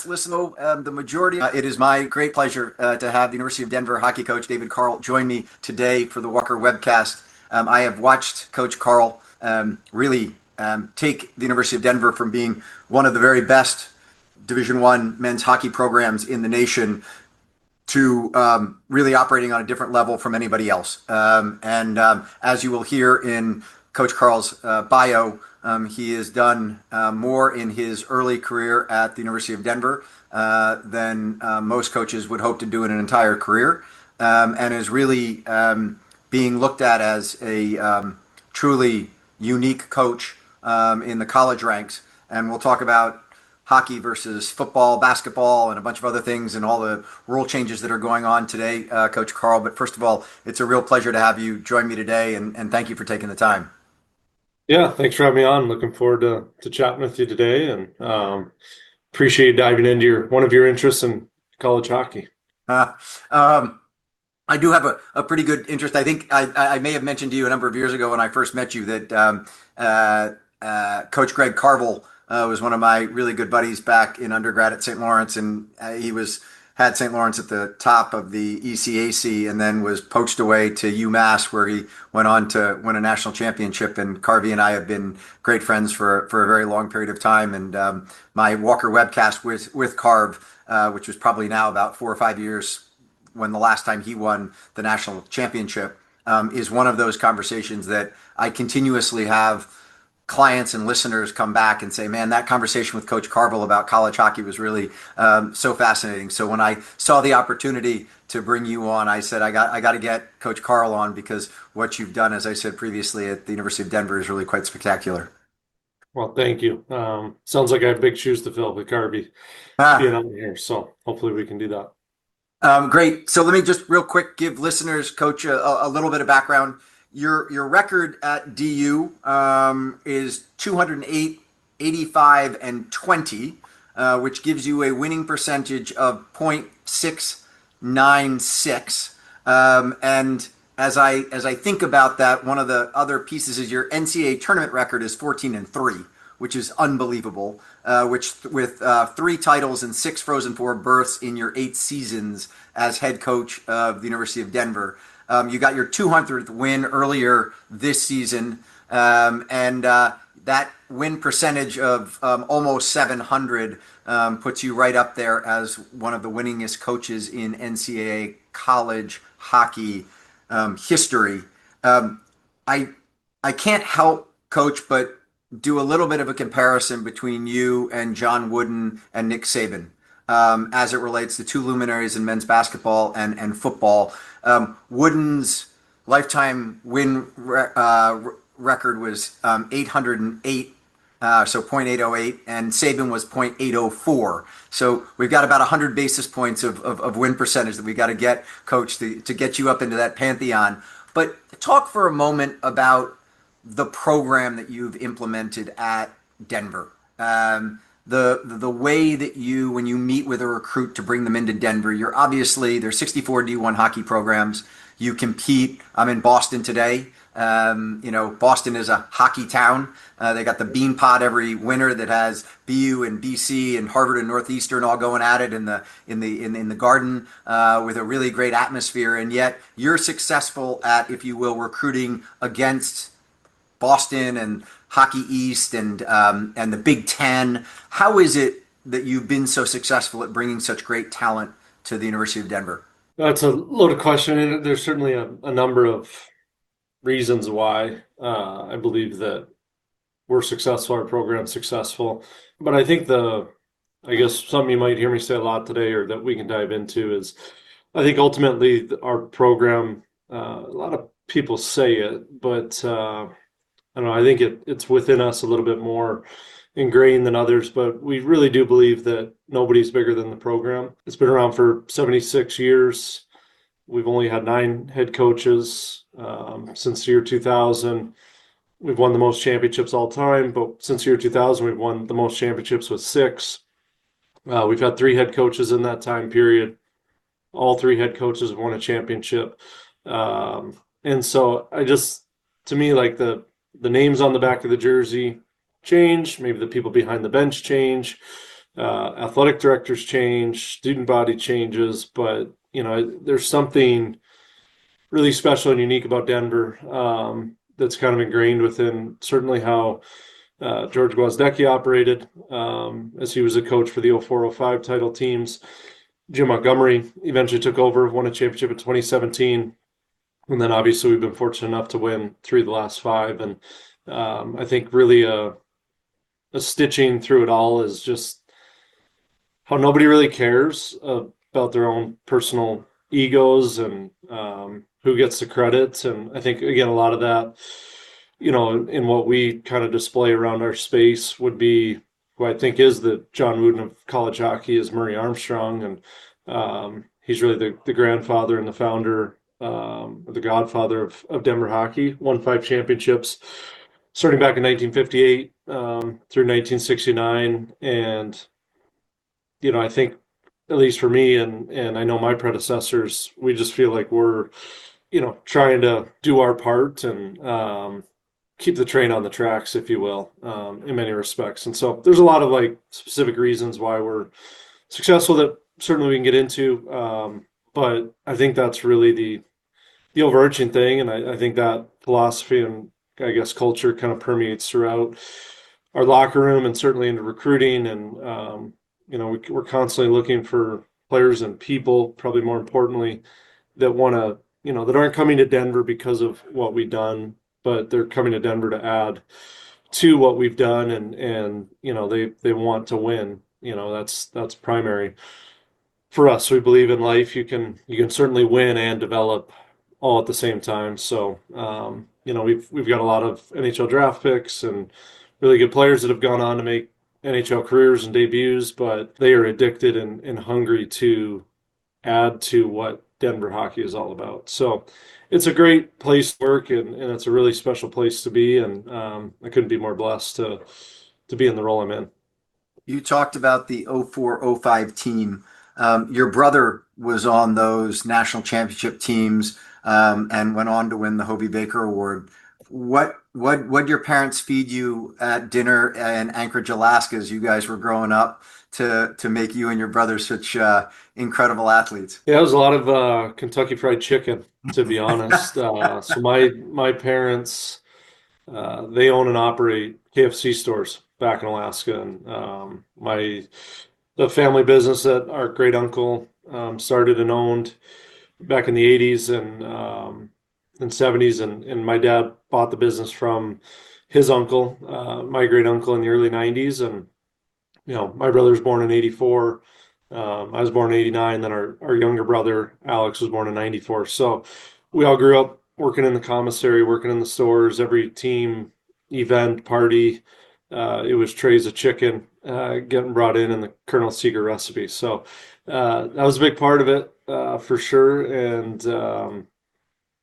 Yes, listen though, It is my great pleasure to have University of Denver hockey coach, David Carle, join me today for the Walker Webcast. I have watched Coach Carle really take the University of Denver from being one of the very best Division I men's hockey programs in the nation, to really operating on a different level from anybody else. As you will hear in Coach Carle's bio, he has done more in his early career at the University of Denver than most coaches would hope to do in an entire career. And is really being looked at as a truly unique coach in the college ranks. We'll talk about hockey versus football, basketball, and a bunch of other things, and all the rule changes that are going on today, Coach Carle. First of all, it's a real pleasure to have you join me today and thank you for taking the time. Yeah. Thanks for having me on. Looking forward to chatting with you today, and appreciate diving into one of your interests in college hockey. I do have a pretty good interest. I may have mentioned to you a number of years ago when I first met you that Coach Greg Carvel was one of my really good buddies back in undergrad at St. Lawrence and he had St. Lawrence at the top of the ECAC, and then was poached away to UMass, where he went on to win a national championship. Carvey and I have been great friends for a very long period of time. My Walker Webcast with Carv, which is probably now about four or five years, when the last time he won the national championship, is one of those conversations that I continuously have clients and listeners come back and say, "Man, that conversation with Coach Carvel about college hockey was really so fascinating." When I saw the opportunity to bring you on, I said, "I gotta get Coach Carle on," because what you've done, as I said previously, at the University of Denver, is really quite spectacular. Well, thank you. Sounds like I have big shoes to fill with Carvey being on here, so hopefully we can do that. Great. Let me just real quick give listeners, Coach, a little bit of background. Your record at DU is 208, 85 and 20, which gives you a winning percentage of 0.696%. As I think about that, one of the other pieces is your NCAA tournament record is 14 and three, which is unbelievable. Which with three titles and six Frozen Four berths in your eight seasons as head coach of the University of Denver. You got your 200th win earlier this season. That win percentage of almost 700% puts you right up there as one of the winningest coaches in NCAA college hockey history. I can't help, Coach, but do a little bit of a comparison between you and John Wooden and Nick Saban, as it relates to two luminaries in men's basketball and football. Wooden's lifetime win record was 808, so 0.808, and Saban was 0.804. We've got about 100 basis points of win percentage that we gotta get, Coach, to get you up into that pantheon. Talk for a moment about the program that you've implemented at Denver. The way that you, when you meet with a recruit to bring them into Denver, you're obviously, there's 64 D1 hockey programs. You compete, I'm in Boston today, you know, Boston is a hockey town. They got the Beanpot every winter that has BU and BC and Harvard and Northeastern all going at it in the Garden with a really great atmosphere. Yet you're successful at, if you will, recruiting against Boston and Hockey East and the Big Ten. How is it that you've been so successful at bringing such great talent to the University of Denver? That's a loaded question. There's certainly a number of reasons why I believe that we're successful, our program's successful. I think the, I guess something you might hear me say a lot today or that we can dive into is, I think ultimately our program, a lot of people say it, I don't know, I think it's within us a little bit more ingrained than others, but we really do believe that nobody's bigger than the program. It's been around for 76 years. We've only had nine head coaches. Since the year 2000, we've won the most championships all time, but since the year 2000, we've won the most championships with six. We've had three head coaches in that time period. All three head coaches have won a championship. I just, to me, like the names on the back of the jersey change, maybe the people behind the bench change, athletic directors change, student body changes, but, you know, there's something really special and unique about Denver that's kind of ingrained within certainly how George Gwozdecky operated as he was a coach for the 2004-2005 title teams. Jim Montgomery eventually took over, won a championship in 2017, obviously we've been fortunate enough to win three of the last five. I think really, a stitching through it all is just how nobody really cares about their own personal egos and who gets the credit. I think, again, a lot of that, you know, in what we kind of display around our space would be, who I think is the John Wooden of college hockey, is Murray Armstrong. He's really the grandfather and the founder, or the godfather of Denver hockey. Won five championships starting back in 1958 through 1969. You know, I think, at least for me and I know my predecessors, we just feel like we're, you know, trying to do our part and keep the train on the tracks, if you will, in many respects. There's a lot of like specific reasons why we're successful that certainly we can get into. I think that's really the overarching thing, and I think that philosophy and, I guess, culture kind of permeates throughout our locker room and certainly into recruiting and, you know, we're constantly looking for players and people, probably more importantly, that wanna You know, that aren't coming to Denver because of what we'd done, but they're coming to Denver to add to what we've done and, you know, they want to win. You know, that's primary. For us, we believe in life you can certainly win and develop all at the same time. You know, we've got a lot of NHL draft picks and really good players that have gone on to make NHL careers and debuts, but they are addicted and hungry to add to what Denver Hockey is all about. It's a great place to work and it's a really special place to be and I couldn't be more blessed to be in the role I'm in. You talked about the 2004-2005 team. Your brother was on those National Championship teams and went on to win the Hobey Baker Award. What'd your parents feed you at dinner in Anchorage, Alaska, as you guys were growing up to make you and your brother such incredible athletes? Yeah, it was a lot of Kentucky Fried Chicken, to be honest. My parents, they own and operate KFC stores back in Alaska. The family business that our great uncle started and owned back in the 1980s and 1970s, and my dad bought the business from his uncle, my great uncle, in the early 1990s. You know, my brother's born in 1984. I was born in 1989, our younger brother, Alex, was born in 1994. We all grew up working in the commissary, working in the stores. Every team event, party, it was trays of chicken, getting brought in and the Colonel's secret recipe. That was a big part of it, for sure and,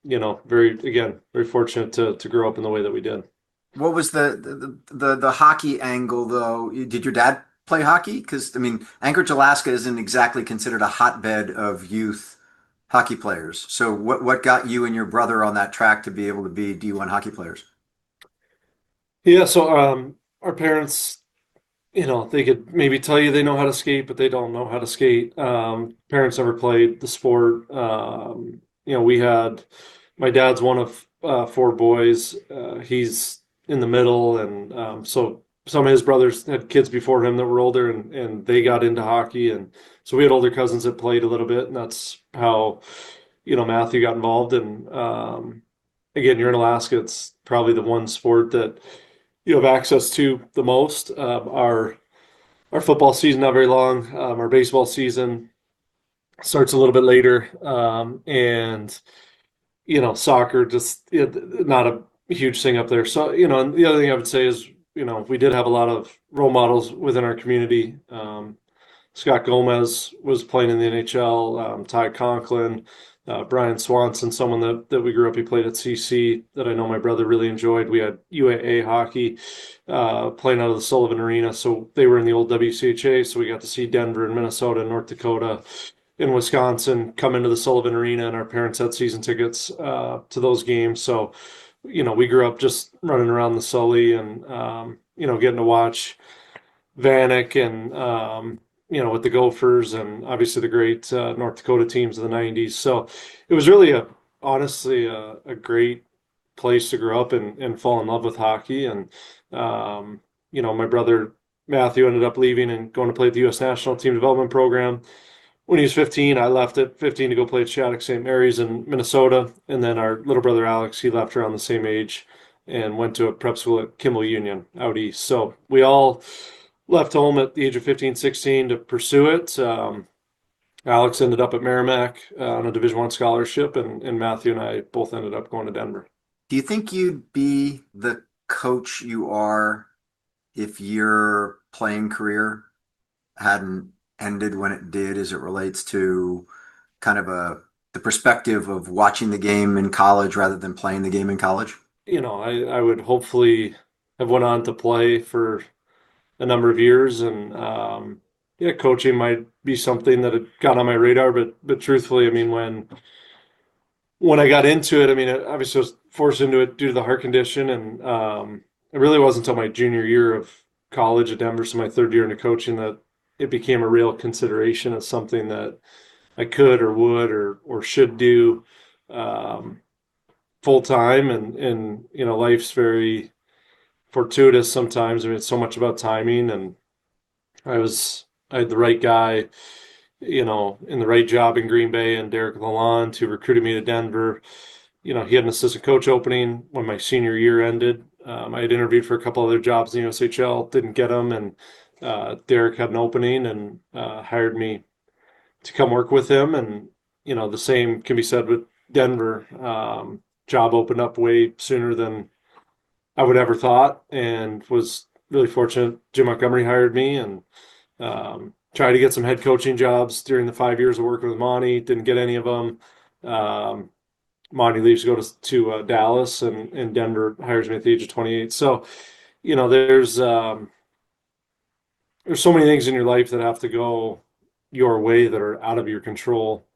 you know, very, again, very fortunate to grow up in the way that we did. What was the hockey angle though? Did your dad play hockey? 'Cause I mean, Anchorage, Alaska, isn't exactly considered a hotbed of youth hockey players. What got you and your brother on that track to be able to be D1 hockey players? Yeah, our parents, you know, they could maybe tell you they know how to skate, but they don't know how to skate. Parents never played the sport. You know, we had My dad's one of four boys. He's in the middle and some of his brothers had kids before him that were older and they got into hockey. We had older cousins that played a little bit, and that's how, you know, Matthew got involved. Again, you're in Alaska, it's probably the one sport that you have access to the most. Our football season not very long. Our baseball season starts a little bit later. You know, soccer just, you know, not a huge thing up there. You know, the other thing I would say is, you know, we did have a lot of role models within our community. Scott Gomez was playing in the NHL. Ty Conklin, Brian Swanson, someone that we grew up, he played at CC, that I know my brother really enjoyed. We had UAA hockey playing out of the Sullivan Arena. They were in the old WCHA, so we got to see Denver and Minnesota, North Dakota, and Wisconsin come into the Sullivan Arena, and our parents had season tickets to those games. You know, we grew up just running around the Sully and, you know, getting to watch Vanek and, you know, with the Gophers and obviously the great North Dakota teams of the '90s. It was really a, honestly a great place to grow up and fall in love with hockey. You know, my brother Matthew ended up leaving and going to play at the USA Hockey National Team Development Program when he was 15. I left at 15 to go play at Shattuck-Saint Mary's in Minnesota, and then our little brother Alex, he left around the same age and went to a prep school at Kimball Union Academy out east. We all left home at the age of 15, 16 to pursue it. Alex ended up at Merrimack College on a Division I scholarship, and Matthew and I both ended up going to the University of Denver. Do you think you'd be the coach you are if your playing career hadn't ended when it did, as it relates to kind of, the perspective of watching the game in college rather than playing the game in college? You know, I would hopefully have went on to play for a number of years and, yeah, coaching might be something that had got on my radar. Truthfully, I mean, when I got into it, I mean, obviously I was forced into it due to the heart condition. It really wasn't until my junior year of college at Denver, so my third year into coaching, that it became a real consideration of something that I could or would or should do, full time. You know, life's very fortuitous sometimes. I mean, it's so much about timing and I had the right guy, you know, in the right job in Green Bay, in Derek Lalonde, who recruited me to Denver. You know, he had an assistant coach opening when my senior year ended. I had interviewed for a couple other jobs in the USHL, didn't get them, and Derek had an opening and hired me to come work with him. You know, the same can be said with Denver. Job opened up way sooner than I would ever thought, and was really fortunate Jim Montgomery hired me. Tried to get some head coaching jobs during the five years of working with Monty, didn't get any of them. Monty leaves to go to Dallas and Denver hires me at the age of 28. You know, there's so many things in your life that have to go your way that are out of your control,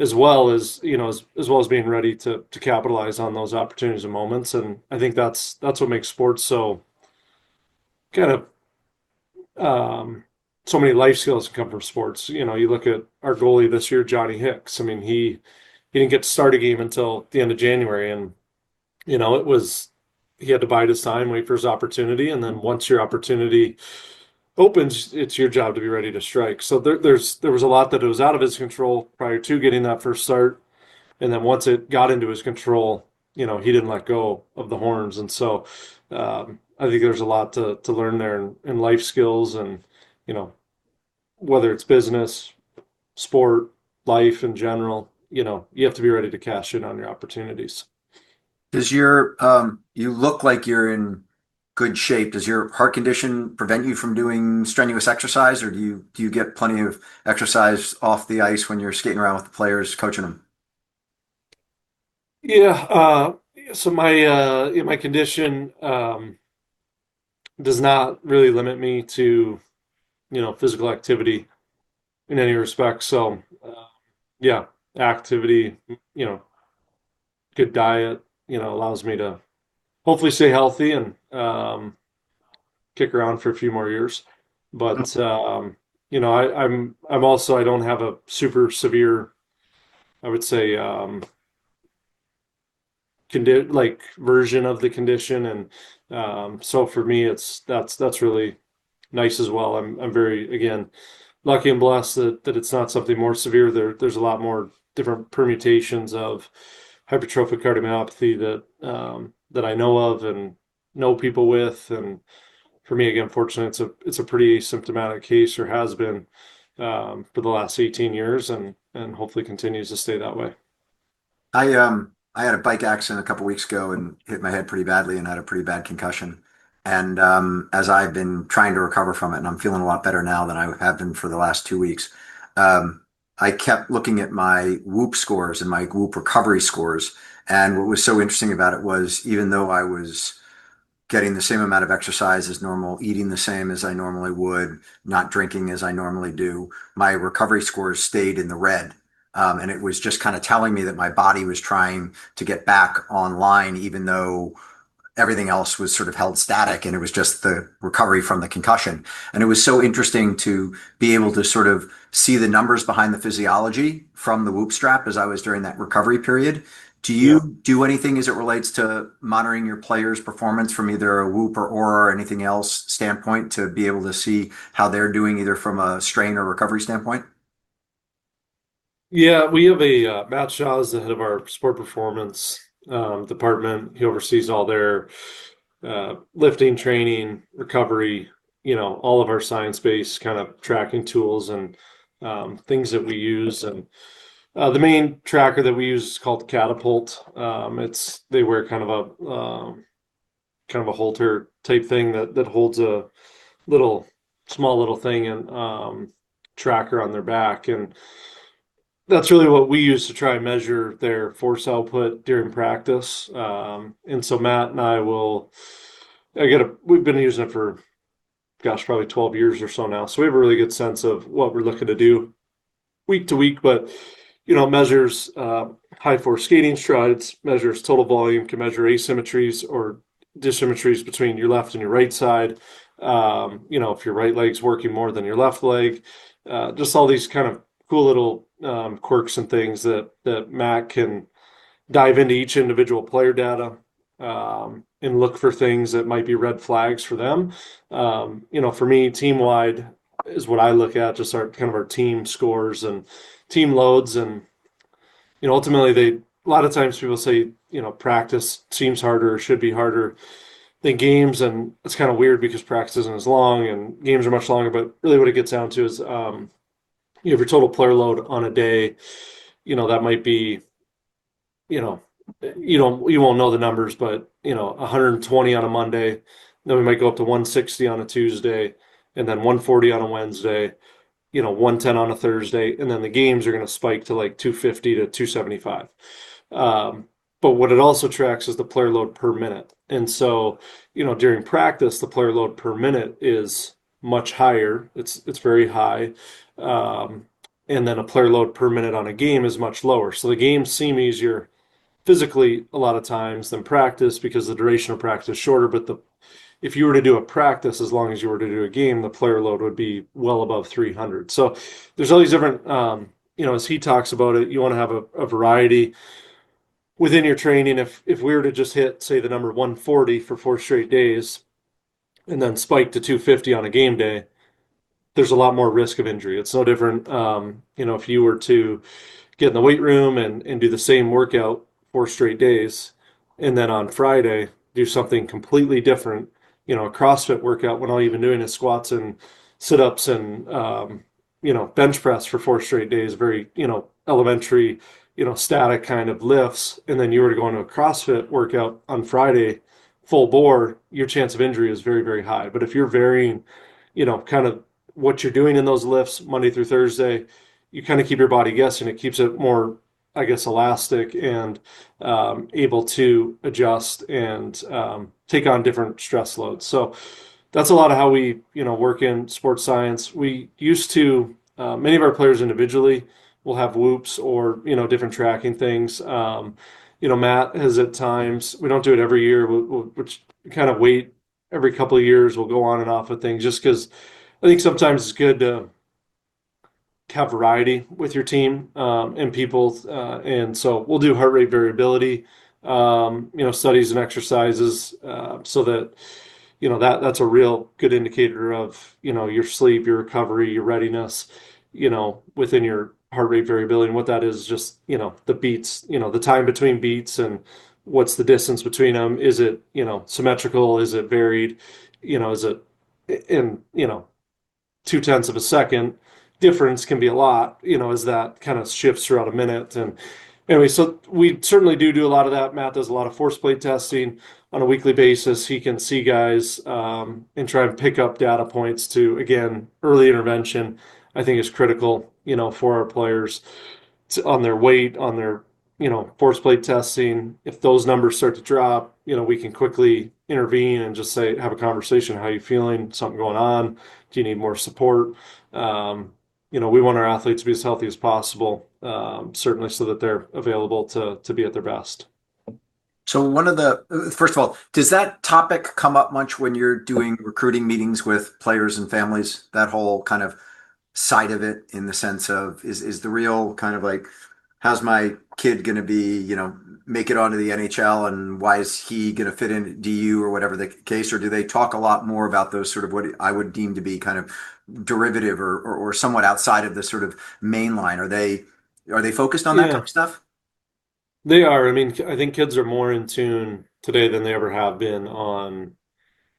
as well as, you know, as well as being ready to capitalize on those opportunities and moments. I think that's what makes sports so many life skills come from sports. You know, you look at our goalie this year, Johnny Hicks, I mean, he didn't get to start a game until the end of January. You know, he had to bide his time, wait for his opportunity, and then once your opportunity opens, it's your job to be ready to strike. There was a lot that was out of his control prior to getting that first start, and then once it got into his control, you know, he didn't let go of the horns. I think there's a lot to learn there in life skills and, you know, whether it's business, sport, life in general, you know, you have to be ready to cash in on your opportunities. You look like you're in good shape. Does your heart condition prevent you from doing strenuous exercise, or do you get plenty of exercise off the ice when you're skating around with the players coaching them? My condition does not really limit me to, you know, physical activity in any respect. Activity, you know, good diet, you know, allows me to hopefully stay healthy and kick around for a few more years. You I'm also, I don't have a super severe, I would say, like version of the condition and for me it's, that's really nice as well. I'm very, again, lucky and blessed that it's not something more severe. There's a lot more different permutations of hypertrophic cardiomyopathy that I know of and know people with, for me, again, fortunate it's a, it's a pretty asymptomatic case or has been for the last 18 years and hopefully continues to stay that way. I had a bike accident a couple weeks ago and hit my head pretty badly and had a pretty bad concussion, as I've been trying to recover from it, and I'm feeling a lot better now than I have been for the last two weeks, I kept looking at my WHOOP scores and my WHOOP recovery scores. What was so interesting about it was even though I was getting the same amount of exercise as normal, eating the same as I normally would, not drinking as I normally do, my recovery scores stayed in the red. It was just kinda telling me that my body was trying to get back online even though everything else was sort of held static and it was just the recovery from the concussion. It was so interesting to be able to sort of see the numbers behind the physiology from the WHOOP strap as I was during that recovery period. Yeah. Do you do anything as it relates to monitoring your players' performance from either a WHOOP or Oura or anything else standpoint to be able to see how they're doing either from a strain or recovery standpoint? Yeah. We have a Matt Shaw's the head of our sports performance department. He oversees all their lifting, training, recovery, you know, all of our science-based kind of tracking tools and things that we use. The main tracker that we use is called Catapult. They wear kind of a halter-type thing that holds a little, small little thing and tracker on their back, and that's really what we use to try and measure their force output during practice. Matt and I, we've been using it for, gosh, probably 12 years or so now, so we have a really good sense of what we're looking to do week to week, but, you know, measures high force skating strides, measures total volume, can measure asymmetries or dyssymmetries between your left and your right side. You know, if your right leg's working more than your left leg. Just all these kind of cool little quirks and things that Matt can dive into each individual player data and look for things that might be red flags for them. You know, for me, team-wide is what I look at, just our, kind of our team scores and team loads and, you know, ultimately they, a lot of times people say, you know, practice seems harder or should be harder than games, and it's kind of weird because practice isn't as long and games are much longer. Really what it gets down to is, you know, if your total player load on a day, you know, that might be, you know, you won't know the numbers, but, you know, 120 on a Monday, then we might go up to 160 on a Tuesday, and then 140 on a Wednesday, you know, 110 on a Thursday, and then the games are going to spike to, like, 250-275. What it also tracks is the player load per minute. You know, during practice the player load per minute is much higher. It's very high. Then a player load per minute on a game is much lower, so the games seem easier physically a lot of times than practice because the duration of practice is shorter, if you were to do a practice as long as you were to do a game, the player load would be well above 300. There's all these different, you know, as he talks about it, you wanna have a variety within your training. If we were to just hit, say, the number 140 for four straight days and then spike to 250 on a game day, there's a lot more risk of injury. It's no different, you know, if you were to get in the weight room and do the same workout four straight days, and then on Friday do something completely different, you know, a CrossFit workout when all you've been doing is squats and sit-ups and, you know, bench press for four straight days, very, you know, elementary, you know, static kind of lifts, and then you were to go into a CrossFit workout on Friday full bore, your chance of injury is very, very high. If you're varying, you know, What you're doing in those lifts Monday through Thursday, you kind of keep your body guessing. It keeps it more, I guess, elastic and able to adjust and take on different stress loads. That's a lot of how we, you know, work in sports science. We used to, many of our players individually will have WHOOPs or, you know, different tracking things. You know, Matt has at times, we don't do it every year. We'll kind of wait every couple of years, we'll go on and off with things just 'cause I think sometimes it's good to have variety with your team and people. We'll do heart rate variability, you know, studies and exercises, so that, you know, that's a real good indicator of, you know, your sleep, your recovery, your readiness, you know, within your heart rate variability. What that is is just, you know, the beats, you know, the time between beats and what's the distance between them. Is it, you know, symmetrical? Is it varied? You know, is it, you know, 0.2 of a second difference can be a lot, you know, as that kind of shifts throughout a minute. Anyway, we certainly do a lot of that. Matt does a lot of force plate testing on a weekly basis. He can see guys and try to pick up data points to, again, early intervention I think is critical, you know, for our players to, on their weight, on their, you know, force plate testing. If those numbers start to drop, you know, we can quickly intervene and just say, have a conversation. How are you feeling? Is something going on? Do you need more support? You know, we want our athletes to be as healthy as possible, certainly so that they're available to be at their best. One of the, first of all, does that topic come up much when you're doing recruiting meetings with players and families, that whole kind of side of it in the sense of is the real kind of like how's my kid gonna be, you know, make it onto the NHL, and why is he gonna fit in at DU, or whatever the case? Or do they talk a lot more about those sort of what I would deem to be kind of derivative or somewhat outside of the sort of main line? Are they focused on that type of stuff? Yeah. They are. I mean, I think kids are more in tune today than they ever have been on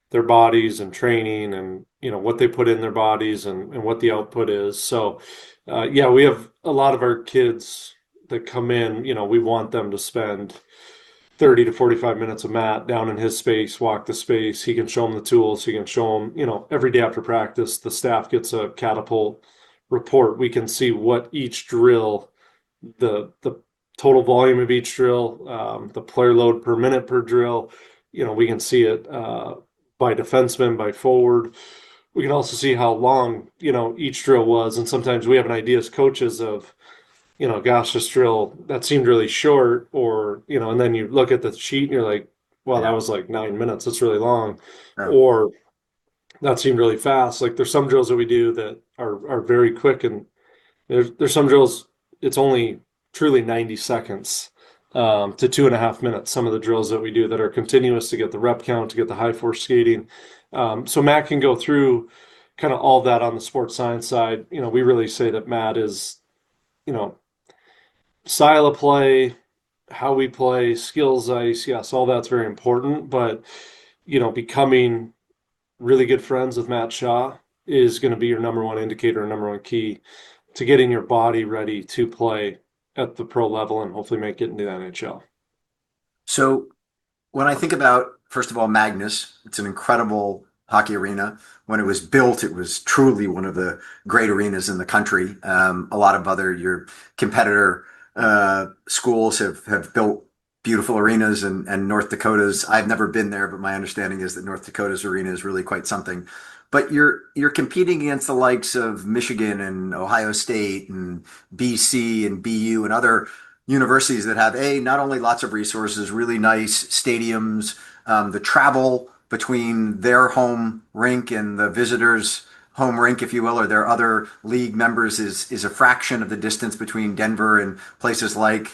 their bodies and training and, you know, what they put in their bodies and what the output is. Yeah, we have a lot of our kids that come in, you know, we want them to spend 30 to 45 minutes with Matt down in his space, walk the space. He can show them the tools. He can show them, you know, every day after practice, the staff gets a Catapult report. We can see what each drill, the total volume of each drill, the player load per minute per drill. You know, we can see it by defensemen, by forward. We can also see how long, you know, each drill was. Sometimes we have an idea as coaches of, you know, gosh, this drill, that seemed really short. You know, you look at the sheet and you're like "well, that was like nine minutes. That's really long." Right. Or, "That seemed really fast." Like, there's some drills that we do that are very quick and there's some drills it's only truly 90 seconds to 2.5 minutes, some of the drills that we do that are continuous to get the rep count, to get the high force skating. So Matt can go through kind of all that on the sports science side. You know, we really say that Matt is, you know, style of play, how we play, skills, ice, yes, all that's very important, but, you know, becoming really good friends with Matt Shaw is gonna be your number one indicator or number one key to getting your body ready to play at the pro level and hopefully make it into the NHL. When I think about, first of all, Magness, it's an incredible hockey arena. When it was built, it was truly one of the great arenas in the country. A lot of other, your competitor schools have built beautiful arenas and North Dakota's, I've never been there, but my understanding is that North Dakota's arena is really quite something. You're, you're competing against the likes of Michigan and Ohio State and BC and BU and other universities that have, A, not only lots of resources, really nice stadiums, the travel between their home rink and the visitor's home rink, if you will, or their other league members is a fraction of the distance between Denver and places like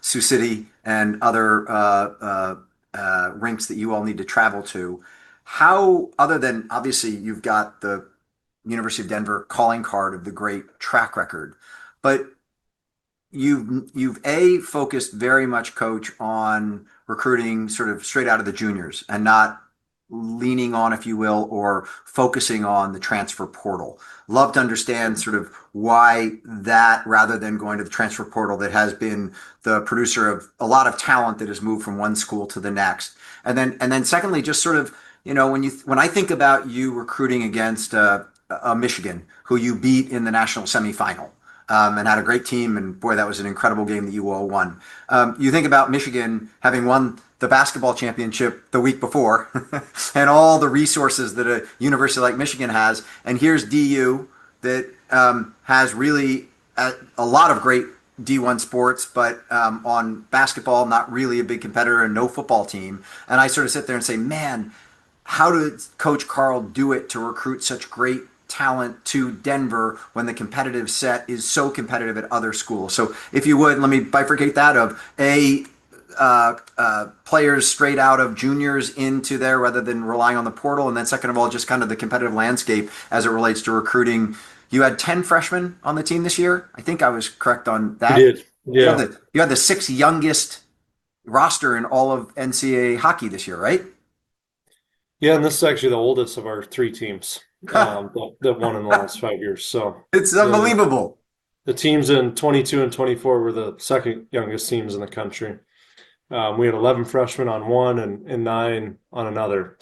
Sioux City and other rinks that you all need to travel to. How, other than obviously you've got the University of Denver calling card of the great track record, but you've, A, focused very much, Coach, on recruiting sort of straight out of the juniors and not leaning on, if you will, or focusing on the transfer portal. Love to understand sort of why that rather than going to the transfer portal that has been the producer of a lot of talent that has moved from one school to the next. Then, secondly, just sort of, you know, when you, when I think about you recruiting against Michigan, who you beat in the national semifinal, and had a great team, and boy, that was an incredible game that you all won. You think about Michigan having won the basketball championship the week before and all the resources that a university like Michigan has, and here's DU that has really a lot of great D1 sports, but on basketball not really a big competitor and no football team. I sort of sit there and say, "Man, how does Coach Carle do it to recruit such great talent to Denver when the competitive set is so competitive at other schools?" If you would, let me bifurcate that of, A, players straight out of juniors into there rather than relying on the portal, and then second of all just kind of the competitive landscape as it relates to recruiting. You had 10 freshmen on the team this year? I think I was correct on that. We did. Yeah. You had the sixth youngest roster in all of NCAA hockey this year, right? Yeah, this is actually the oldest of our three teams, the one in the last five years. It's unbelievable. The teams in 2022 and 2024 were the second youngest teams in the country. We had 11 freshmen on one and nine on another.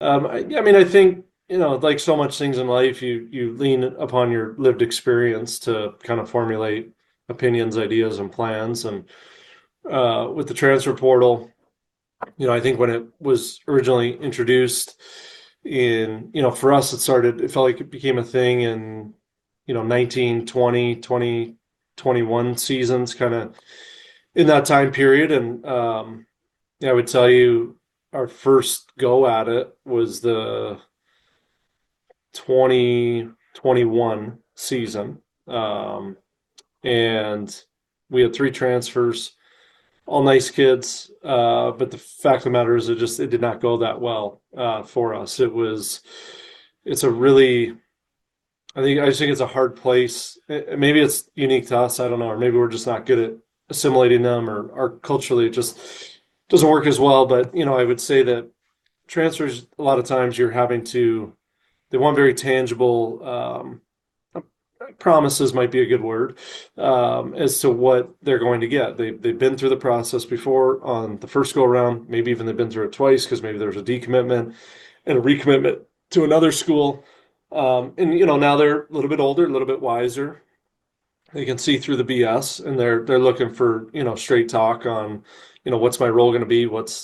I mean, I think, you know, like so much things in life, you lean upon your lived experience to kind of formulate opinions, ideas, and plans. With the transfer portal, you know, I think when it was originally introduced in, you know, for us it started, it felt like it became a thing in, you know, 2019, 2020, 2021 seasons, kind of in that time period. I would tell you our first go at it was the 2021 season. We had three transfers, all nice kids. The fact of the matter is it just, it did not go that well for us. It's a really I think, I just think it's a hard place. Maybe it's unique to us, I don't know. Or maybe we're just not good at assimilating them, or culturally it just doesn't work as well. You know, I would say that transfers, a lot of times they want very tangible promises might be a good word, as to what they're going to get. They've been through the process before on the first go-around, maybe even they've been through it twice, 'cause maybe there was a decommitment and a recommitment to another school. You know, now they're a little bit older, a little bit wiser. They can see through the BS, they're looking for, you know, straight talk on, you know, "What's my role gonna be? What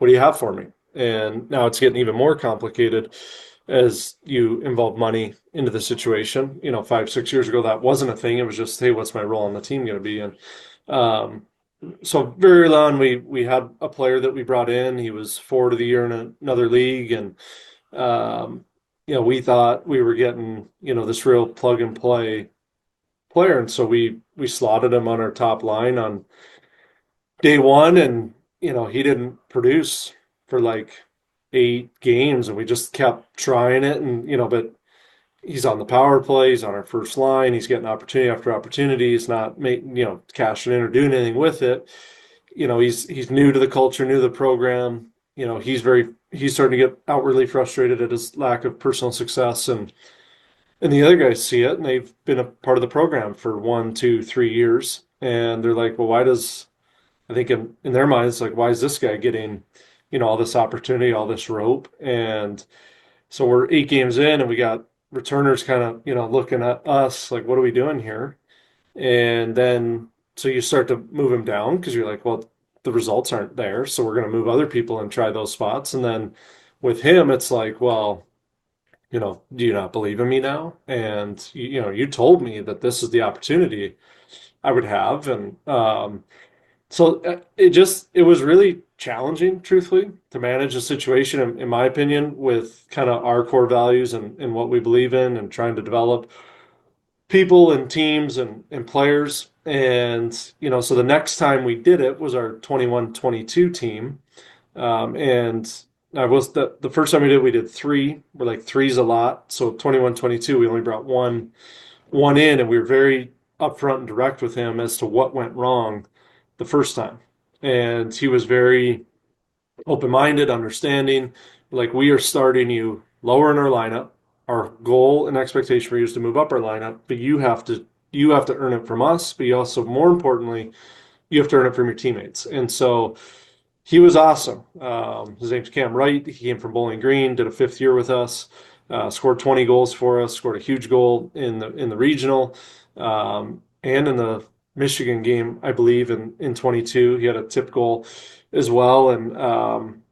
do you have for me? Now it's getting even more complicated as you involve money into the situation. You know, five, six years ago, that wasn't a thing. It was just, "Hey, what's my role on the team gonna be?" Very early on we had a player that we brought in. He was forward of the year in another league. You know, we thought we were getting, you know, this real plug and play player. We slotted him on our top line on day one. You know, he didn't produce for, like, eight games, and we just kept trying it, and you know. He's on the power play, he's on our first line. He's getting opportunity after opportunity. He's not, you know, cashing in or doing anything with it. You know, he's new to the culture, new to the program. You know, he's very, he's starting to get outwardly frustrated at his lack of personal success. The other guys see it, and they've been a part of the program for one, two, three years, and they're like, "Well, why does?" I think in their minds, like, "Why is this guy getting, you know, all this opportunity, all this rope?" We're eight games in, and we got returners kind of, you know, looking at us like, "What are we doing here?" You start to move him down 'cause you're like, "Well, the results aren't there, so we're gonna move other people and try those spots." With him it's like, "Well, you know, do you not believe in me now? You know, you told me that this was the opportunity I would have." It was really challenging, truthfully, to manage the situation in my opinion, with kind of our core values and what we believe in and trying to develop people and teams and players. You know, the next time we did it was our 2021-2022 team. I was the first time we did it, we did 3. We're like, "3's a lot." 2021-2022, we only brought one in, and we were very upfront and direct with him as to what went wrong the first time. He was very open-minded, understanding. Like, "We are starting you lower in our lineup. Our goal and expectation for you is to move up our lineup, but you have to, you have to earn it from us, but you also, more importantly, you have to earn it from your teammates. He was awesome. His name's Cam Wright. He came from Bowling Green. Did a fifth year with us. Scored 20 goals for us. Scored a huge goal in the regional and in the Michigan game, I believe, in 2022, he had a tip goal as well. You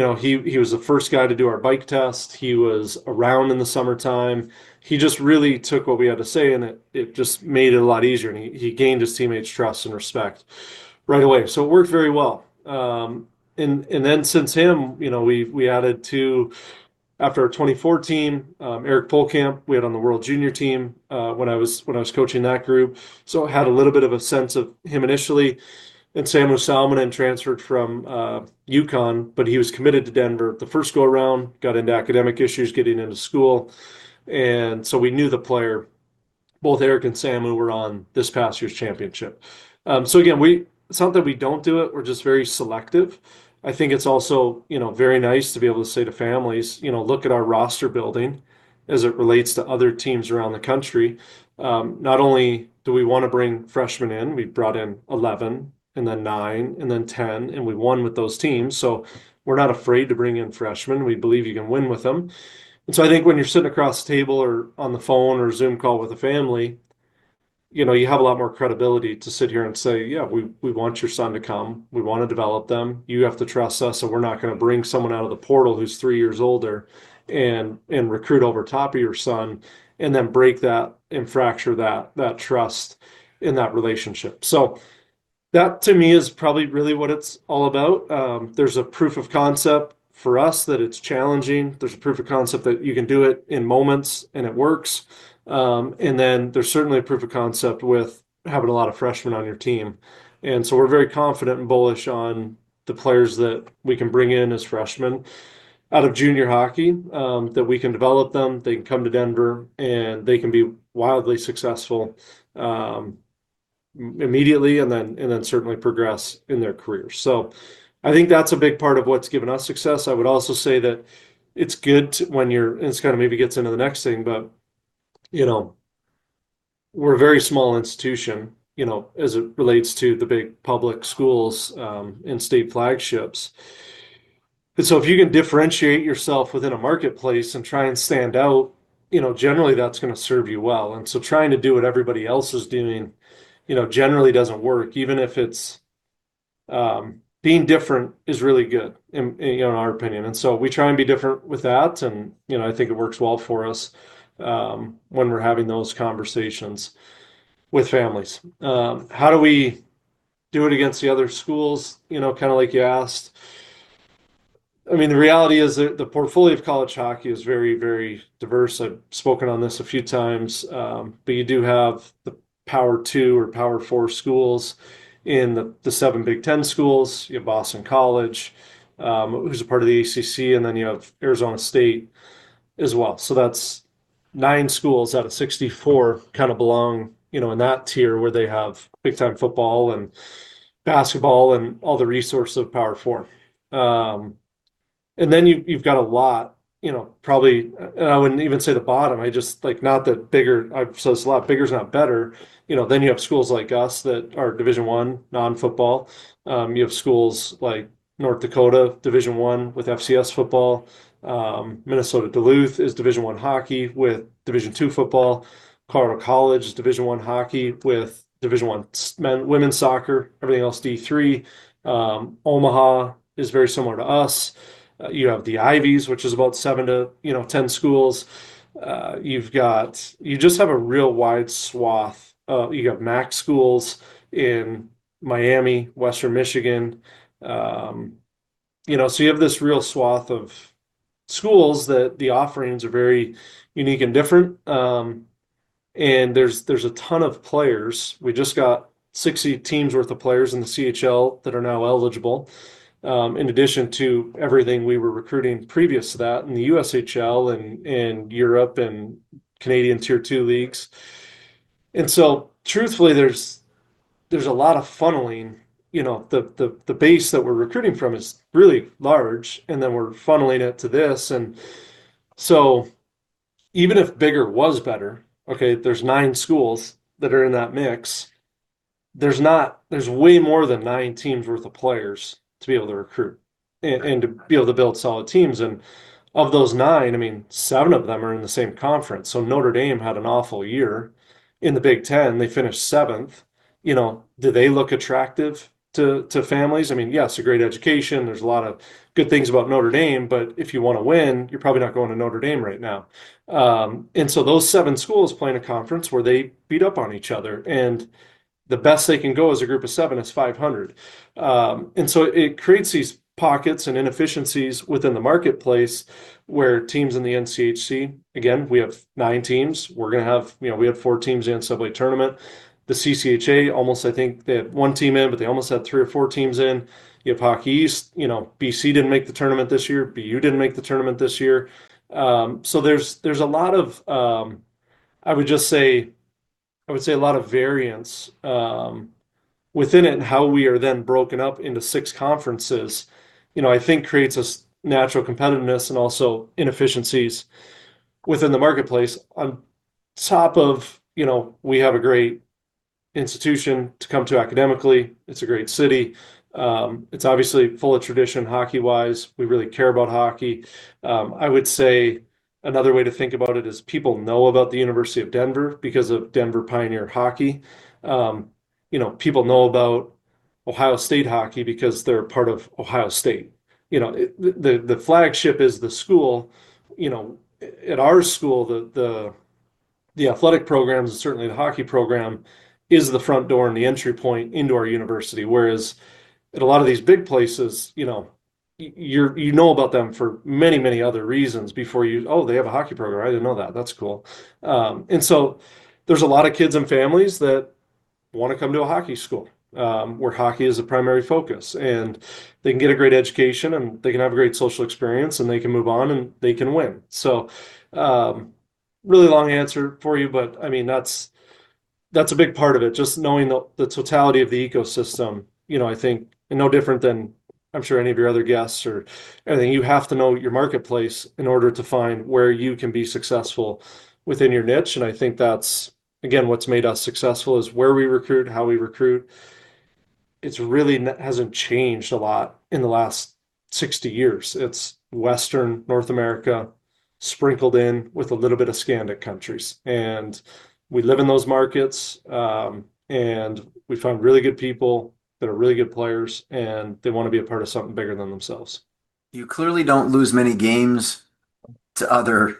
know, he was the first guy to do our bike test. He was around in the summertime. He just really took what we had to say, and it just made it a lot easier, and he gained his teammates' trust and respect right away. It worked very well. Then since him, you know, we've added two after our 2014. Eric Pohlkamp we had on the world junior team, when I was coaching that group, so had a little bit of a sense of him initially. Samu Salminen transferred from UConn, but he was committed to Denver the first go-around. Got into academic issues getting into school, so we knew the player. Both Eric and Samu were on this past year's championship. Again, we, it's not that we don't do it. We're just very selective. I think it's also, you know, very nice to be able to say to families, you know, look at our roster building as it relates to other teams around the country. Not only do we wanna bring freshmen in, we brought in 11, and then nine, and then 10, and we won with those teams. We're not afraid to bring in freshmen. We believe you can win with them. I think when you're sitting across the table or on the phone or Zoom call with a family, you know, you have a lot more credibility to sit here and say, "Yeah, we want your son to come. We wanna develop them. You have to trust us, and we're not gonna bring someone out of the portal who's three years older and recruit over top of your son, and then break that and fracture that trust in that relationship." That, to me, is probably really what it's all about. There's a proof of concept for us that it's challenging. There's a proof of concept that you can do it in moments, and it works. Then there's certainly a proof of concept with having a lot of freshmen on your team. We're very confident and bullish on the players that we can bring in as freshmen out of junior hockey, that we can develop them, they can come to Denver, and they can be wildly successful immediately, and then, and then certainly progress in their career. I think that's a big part of what's given us success. I would also say that it's good to, when you're, and this kind of maybe gets into the next thing, but, you know, we're a very small institution, you know, as it relates to the big public schools, and state flagships. If you can differentiate yourself within a marketplace and try and stand out, you know, generally that's gonna serve you well. Trying to do what everybody else is doing, you know, generally doesn't work, even if it's being different is really good in, you know, in our opinion. We try and be different with that and, you know, I think it works well for us when we're having those conversations with families. How do we do it against the other schools, you know, kind of like you asked? I mean, the reality is the portfolio of college hockey is very, very diverse. I've spoken on this a few times. But you do have the Power Two or Power Four schools in the seven Big Ten schools. You have Boston College, who's a part of the ACC, and then you have Arizona State as well. That's nine schools out of 64 kind of belong, you know, in that tier where they have big time football and basketball and all the resources of Power Four. You've got a lot, you know, probably, and I wouldn't even say the bottom, I just like not the bigger, so it's a lot bigger is not better. You know, you have schools like us that are Division I non-football. You have schools like North Dakota, Division I with FCS football. Minnesota Duluth is Division I hockey with Division II football. Colorado College is Division I hockey with Division I men, women's soccer, everything else Division III. Omaha is very similar to us. You have the Ivies, which is about seven to, you know, 10 schools. You just have a real wide swath. You got MAAC schools in Miami, Western Michigan. You know, you have this real swath of schools that the offerings are very unique and different. There's a ton of players. We just got 60 teams worth of players in the CHL that are now eligible, in addition to everything we were recruiting previous to that in the USHL and Europe and Canadian Tier 2 leagues. Truthfully, there's a lot of funneling. You know, the base that we're recruiting from is really large, and then we're funneling it to this. Even if bigger was better, okay, there's nine schools that are in that mix. There's way more than nine teams worth of players to be able to recruit and to be able to build solid teams. Of those nine, I mean, seven of them are in the same conference. Notre Dame had an awful year. In the Big Ten, they finished 7th. You know, do they look attractive to families? I mean, yes, a great education. There's a lot of good things about Notre Dame, but if you wanna win, you're probably not going to Notre Dame right now. Those seven schools play in a conference where they beat up on each other, and the best they can go as a group of seven is 500. It creates these pockets and inefficiencies within the marketplace where teams in the NCHC, again, we have nine teams. We're gonna have, you know, we had four teams in the Subway tournament. The CCHA almost I think they had one team in, but they almost had three or four teams in. You have Hockey East. You know, BC didn't make the tournament this year. BU didn't make the tournament this year. There's a lot of, I would just say a lot of variance within it in how we are then broken up into six conferences, you know, I think creates a natural competitiveness and also inefficiencies within the marketplace. On top of, you know, we have a great institution to come to academically. It's a great city. It's obviously full of tradition hockey-wise. We really care about hockey. I would say another way to think about it is people know about the University of Denver because of Denver Pioneer Hockey. You know, people know about Ohio State hockey because they're a part of Ohio State. You know, the flagship is the school. You know, at our school, the athletic programs and certainly the hockey program is the front door and the entry point into our university. Whereas in a lot of these big places, you know, you know about them for many, many other reasons before you, "Oh, they have a hockey program. I didn't know that. That's cool." There's a lot of kids and families that wanna come to a hockey school, where hockey is a primary focus, and they can get a great education, and they can have a great social experience, and they can move on, and they can win. Really long answer for you, I mean, that's a big part of it, just knowing the totality of the ecosystem. You know, I think no different than I'm sure any of your other guests or anything. You have to know your marketplace in order to find where you can be successful within your niche, I think that's again what's made us successful is where we recruit, how we recruit. It's really hasn't changed a lot in the last 60 years. It's Western North America sprinkled in with a little bit of Scandic countries. We live in those markets, and we find really good people that are really good players, and they wanna be a part of something bigger than themselves. You clearly don't lose many games to other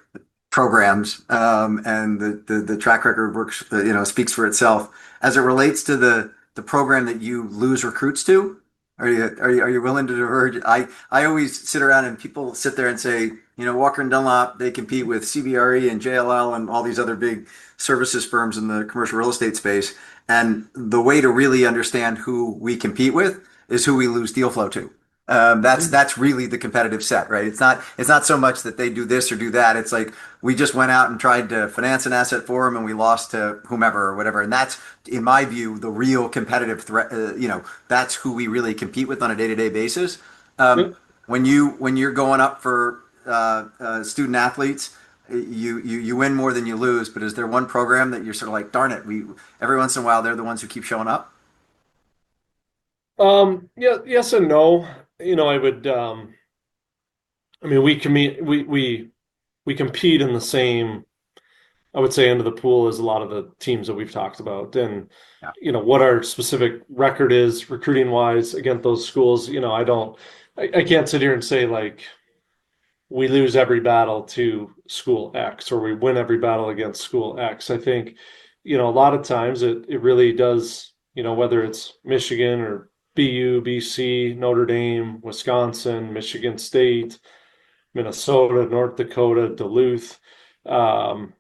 programs. The track record works, you know, speaks for itself. As it relates to the program that you lose recruits to, are you willing to diverge? I always sit around and people sit there and say, you know, Walker & Dunlop, they compete with CBRE and JLL and all these other big services firms in the commercial real estate space, the way to really understand who we compete with is who we lose deal flow to. that's really the competitive set, right? It's not so much that they do this or do that, it's like we just went out and tried to finance an asset for them and we lost to whomever or whatever. That's, in my view, the real competitive threat, you know, that's who we really compete with on a day-to-day basis. When you're going up for student athletes, you win more than you lose. Is there one program that you're sort of like, "Darn it, we Every once in a while, they're the ones who keep showing up"? Yes and no. You know, I would, I mean, we compete in the same, I would say end of the pool as a lot of the teams that we've talked about. You know, what our specific record is recruiting-wise against those schools, you know, I don't, I can't sit here and say, like, we lose every battle to school X or we win every battle against school X. I think, you know, a lot of times it really does, you know, whether it's Michigan or Boston University, Boston College, University of Notre Dame, Wisconsin, Michigan State University, Minnesota, North Dakota, University of Minnesota Duluth,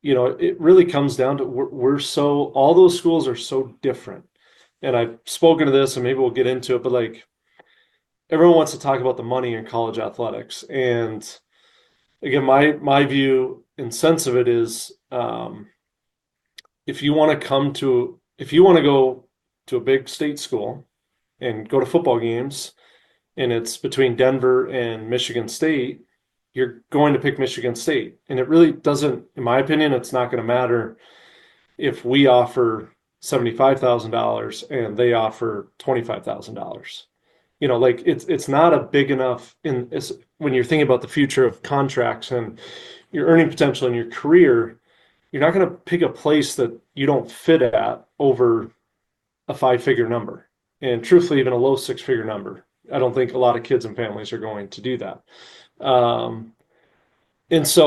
you know, it really comes down to we're so All those schools are so different. I've spoken to this, and maybe we'll get into it, but, like, everyone wants to talk about the money in college athletics. Again, my view and sense of it is, if you wanna go to a big state school and go to football games, and it's between University of Denver and Michigan State University, you're going to pick Michigan State University. It really doesn't, in my opinion, it's not gonna matter if we offer $75,000 and they offer $25,000. You know, like it's not a big enough, it's when you're thinking about the future of contracts and your earning potential in your career, you're not gonna pick a place that you don't fit at over a five-figure number. Truthfully, even a low six-figure number. I don't think a lot of kids and families are going to do that. As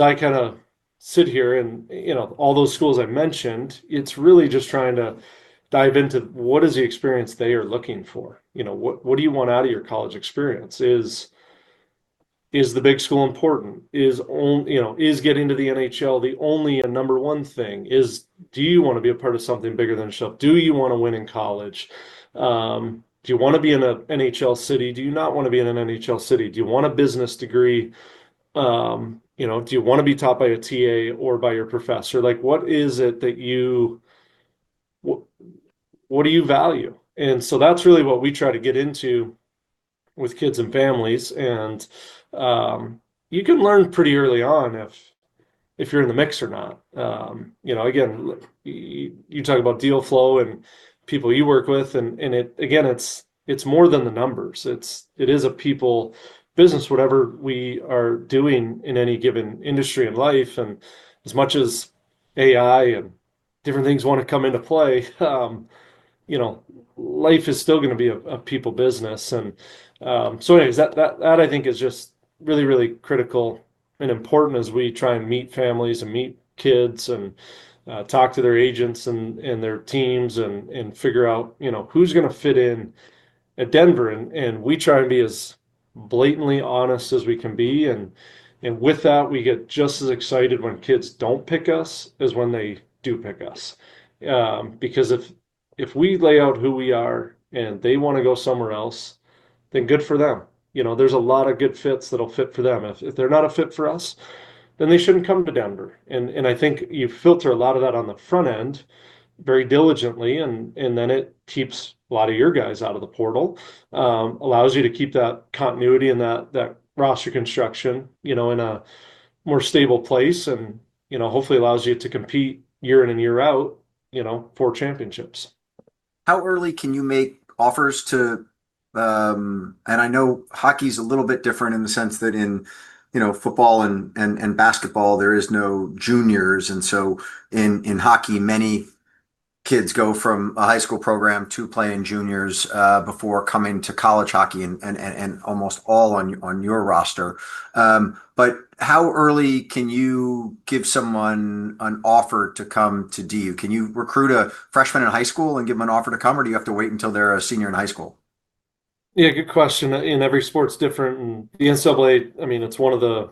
I kinda sit here, you know, all those schools I've mentioned, it's really just trying to dive into what is the experience they are looking for. You know, what do you want out of your college experience? Is the big school important? Is, you know, is getting to the NHL the only and number one thing? Do you wanna be a part of something bigger than yourself? Do you wanna win in college? Do you wanna be in a NHL city? Do you not wanna be in an NHL city? Do you want a business degree? You know, do you wanna be taught by a TA or by your professor? Like, what is it that you what do you value? That's really what we try to get into with kids and families. You can learn pretty early on if you're in the mix or not. You know, again, you talk about deal flow and people you work with, and it, again, it is more than the numbers. It is a people business, whatever we are doing in any given industry and life. As much as AI and different things wanna come into play, you know, life is still gonna be a people business. Anyways, that I think is just really, really critical and important as we try and meet families and meet kids and talk to their agents and their teams and figure out, you know, who's gonna fit in at Denver. We try and be as blatantly honest as we can be. With that, we get just as excited when kids don't pick us as when they do pick us. Because if we lay out who we are and they wanna go somewhere else, then good for them. You know, there's a lot of good fits that'll fit for them. If they're not a fit for us, then they shouldn't come to Denver. I think you filter a lot of that on the front end very diligently, and then it keeps a lot of your guys out of the portal, allows you to keep that continuity and that roster construction, you know, in a more stable place, and, you know, hopefully allows you to compete year in and year out, you know, for championships. How early can you make offers to, I know hockey's a little bit different in the sense that in, you know, football and basketball there is no juniors. In hockey, many kids go from a high school program to playing juniors before coming to college hockey and almost all on your roster. How early can you give someone an offer to come to DU? Can you recruit a freshman in high school and give him an offer to come, or do you have to wait until they're a senior in high school? Yeah, good question. In every sport it's different. In the NCAA, I mean, it's one of the,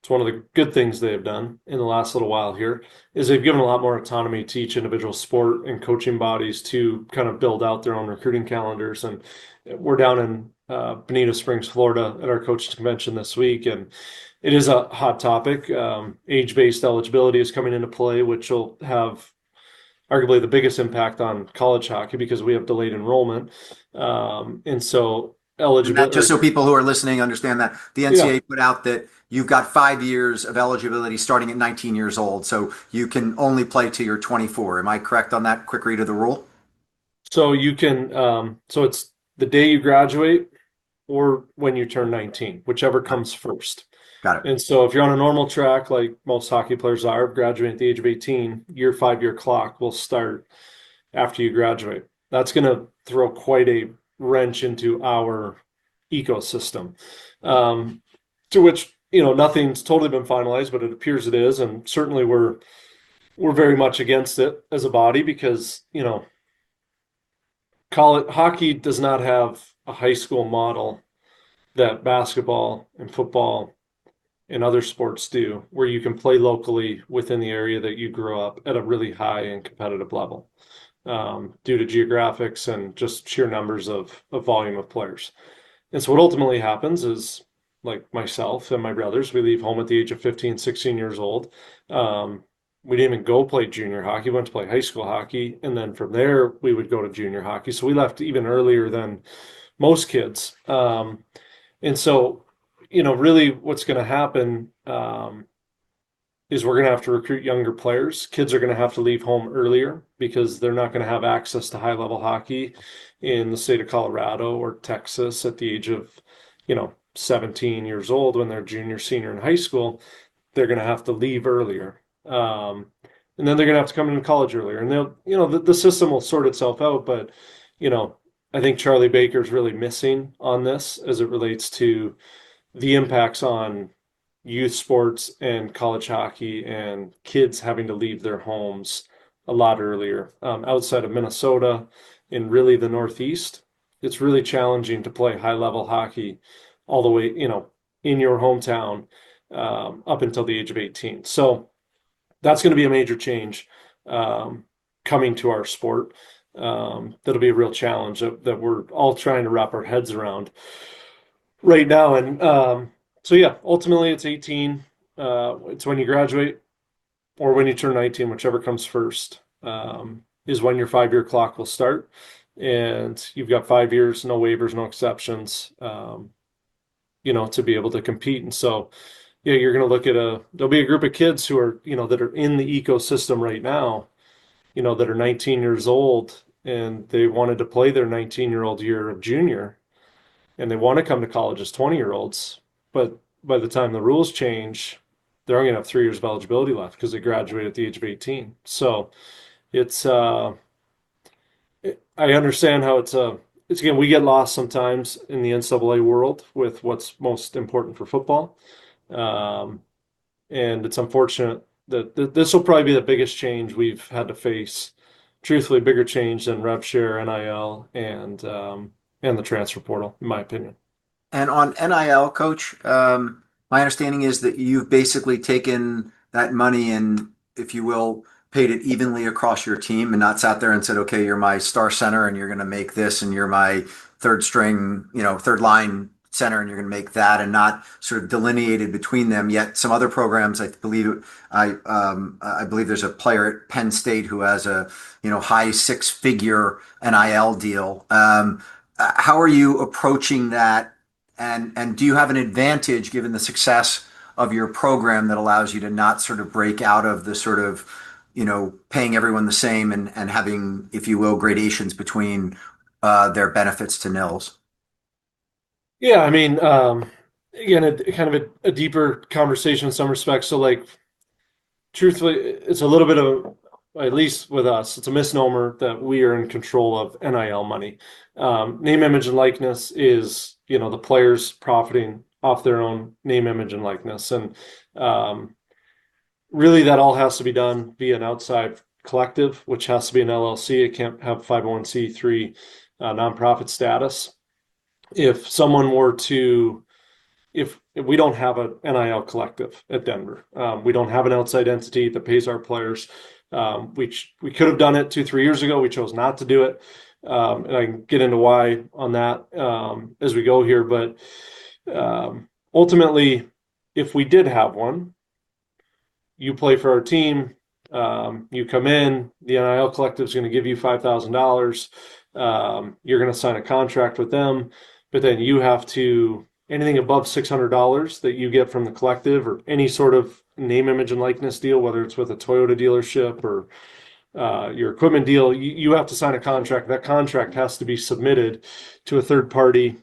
it's one of the good things they have done in the last little while here, is they've given a lot more autonomy to each individual sport and coaching bodies to kind of build out their own recruiting calendars. We're down in Bonita Springs, Florida at our coaches convention this week, and it is a hot topic. Age-based eligibility is coming into play, which will have arguably the biggest impact on college hockey because we have delayed enrollment. That, just so people who are listening understand that. Yeah The NCAA put out that you've got five years of eligibility starting at 19 years old, so you can only play till you're 24. Am I correct on that quick read of the rule? It's the day you graduate or when you turn 19, whichever comes first. Got it. If you're on a normal track, like most hockey players are, graduate at the age of 18, your five-year clock will start after you graduate. That's gonna throw quite a wrench into our ecosystem. To which, you know, nothing's totally been finalized, but it appears it is, and certainly we're very much against it as a body because, you know, hockey does not have a high school model that basketball and football and other sports do, where you can play locally within the area that you grew up at a really high and competitive level, due to geographics and just sheer numbers of volume of players. What ultimately happens is, like myself and my brothers, we leave home at the age of 15, 16 years old. We didn't even go play junior hockey. We went to play high school hockey, then from there we would go to junior hockey. We left even earlier than most kids. You know, really what's gonna happen, is we're gonna have to recruit younger players. Kids are gonna have to leave home earlier because they're not gonna have access to high-level hockey in the state of Colorado or Texas at the age of, you know, 17 years old. When they're a junior, senior in high school, they're gonna have to leave earlier. They're gonna have to come into college earlier. They'll You know, the system will sort itself out, you know, I think Charlie Baker's really missing on this as it relates to the impacts on youth sports and college hockey, and kids having to leave their homes a lot earlier. Outside of Minnesota and really the Northeast, it's really challenging to play high-level hockey all the way, you know, in your hometown, up until the age of 18. That's gonna be a major change coming to our sport, that'll be a real challenge that we're all trying to wrap our heads around right now. Yeah, ultimately it's 18, it's when you graduate or when you turn 18, whichever comes first, is when your five-year clock will start. You've got five years, no waivers, no exceptions, you know, to be able to compete. You know, you're gonna look at There'll be a group of kids who are, you know, that are in the ecosystem right now, you know, that are 19 years old, and they wanted to play their 19-year-old year of junior, and they wanna come to college as 20-year-olds. By the time the rules change, they're only gonna have three years of eligibility left 'cause they graduate at the age of 18. It's, I understand how it's again, we get lost sometimes in the NCAA world with what's most important for football. It's unfortunate. This will probably be the biggest change we've had to face. Truthfully, bigger change than rev share, NIL, and the Transfer Portal, in my opinion. On NIL, Coach, my understanding is that you've basically taken that money and, if you will, paid it evenly across your team, and not sat there and said, "Okay, you're my star center and you're gonna make this, and you're my third string, you know, third line center and you're gonna make that," and not sort of delineated between them. Some other programs, I believe, there's a player at Penn State who has a, you know, high six-figure NIL deal. How are you approaching that, and do you have an advantage given the success of your program that allows you to not sort of break out of the sort of, you know, paying everyone the same and having, if you will, gradations between their benefits to NILs? Yeah. I mean, kind of a deeper conversation in some respects. Like, truthfully, at least with us, it's a misnomer that we are in control of NIL money. Name, image, and likeness is, you know, the players profiting off their own name, image, and likeness. Really that all has to be done via an outside collective, which has to be an LLC. It can't have 501(c)(3) nonprofit status. If we don't have a NIL collective at Denver, we don't have an outside entity that pays our players, which we could have done it two, three years ago. We chose not to do it. I can get into why on that as we go here. Ultimately if we did have one, you play for our team. You come in, the NIL collective's gonna give you $5,000. You're gonna sign a contract with them, anything above $600 that you get from the collective or any sort of name, image, and likeness deal, whether it's with a Toyota dealership or your equipment deal, you have to sign a contract. That contract has to be submitted to a third party,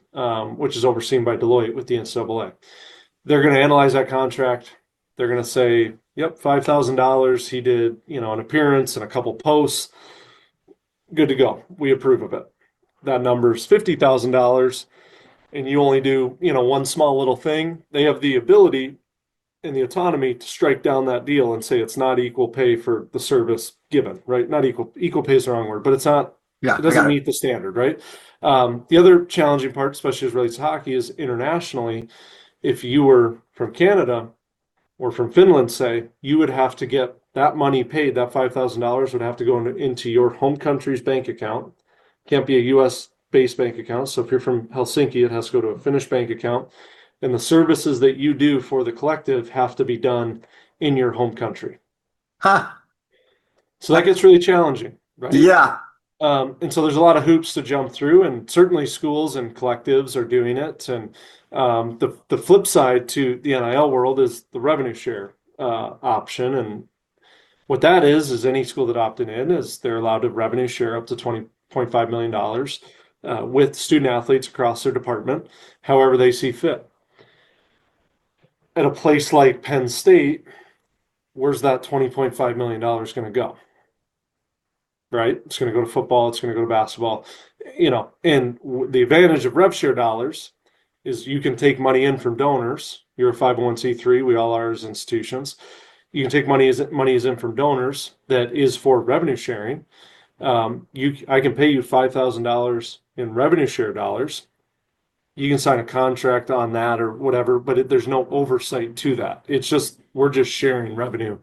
which is overseen by Deloitte with the NCAA. They're gonna analyze that contract. They're gonna say, "Yep, $5,000. He did, you know, an appearance and a couple posts. Good to go. We approve of it." That number's $50,000, and you only do, you know, one small little thing, they have the ability and the autonomy to strike down that deal and say it's not equal pay for the service given, right? Not equal. Equal pay is the wrong word, but it's not. Yeah. Got it. it doesn't meet the standard, right? The other challenging part, especially as it relates to hockey, is internationally if you were from Canada or from Finland, say, you would have to get that money paid, that $5,000 would have to go into your home country's bank account. Can't be a U.S.-based bank account. If you're from Helsinki, it has to go to a Finnish bank account, and the services that you do for the collective have to be done in your home country. Huh. That gets really challenging, right? Yeah. There's a lot of hoops to jump through, and certainly schools and collectives are doing it. The flip side to the NIL world is the revenue share option. What that is any school that opted in they're allowed to revenue share up to $20.5 million with student athletes across their department however they see fit. At a place like Penn State, where's that $20.5 million gonna go? Right? It's gonna go to football. It's gonna go to basketball. You know, the advantage of rev share dollars is you can take money in from donors. You're a 501. We all are as institutions. You can take monies in from donors that is for revenue sharing. You I can pay you $5,000 in revenue share dollars. You can sign a contract on that or whatever, but it, there's no oversight to that. It's just we're just sharing revenue